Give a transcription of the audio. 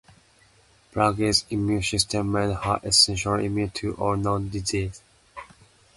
Plague's immune system made her essentially immune to all known diseases.